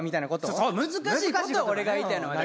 そう難しいこと俺が言いたいのは何？